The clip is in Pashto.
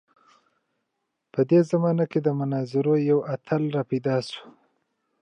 په دې زمانه کې د مناظرو یو اتل راپیدا شو.